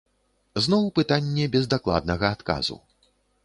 Зноў пытанне без дакладнага адказу.